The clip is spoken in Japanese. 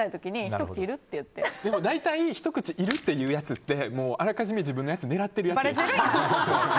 大体、ひと口いるって言うやつってあらかじめ自分のやつ狙ってるやつ。